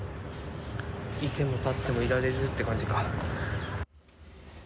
居ても立ってもいられずって感じか。